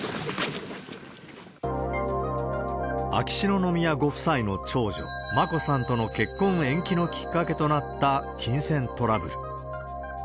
秋篠宮ご夫妻の長女、眞子さんとの結婚延期のきっかけとなった金銭トラブル。